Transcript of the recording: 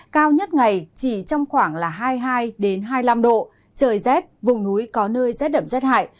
cao nhất ngày chỉ trong khoảng hai mươi hai hai mươi năm độ trời rét vùng núi có nơi rét đậm rét hại